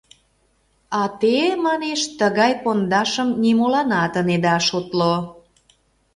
А те, манеш, тыгай пондашым нимоланат ынеда шотло.